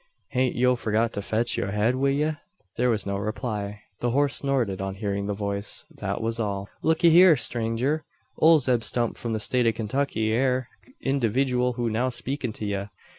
Hain't yo forgot to fetch yur head wi ye?" There was no reply. The horse snorted, on hearing the voice. That was all. "Lookee hyur, strenger! Ole Zeb Stump from the State o' Kintucky, air the individooal who's now speakin' to ye.